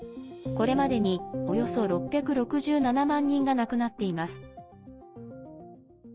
これまでに、およそ６６７万人が亡くなっています。